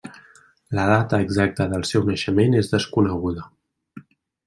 La data exacta del seu naixement és desconeguda.